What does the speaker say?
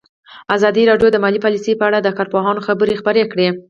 ازادي راډیو د مالي پالیسي په اړه د کارپوهانو خبرې خپرې کړي.